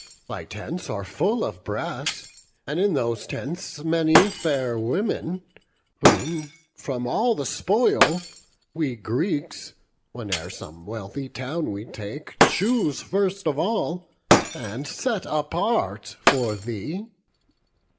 Thy tents are full of brass; and in those tents Many fair women, whom, from all the spoil, We Greeks, whene'er some wealthy town we take, Choose first of all, and set apart for thee.